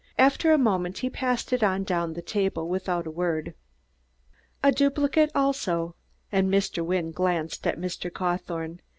After a moment he passed it on down the table without a word. "A duplicate also," and Mr. Wynne glanced at Mr. Cawthorne.